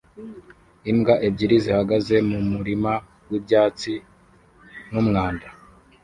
Imbwa ebyiri zihagaze mu murima w'ibyatsi n'umwanda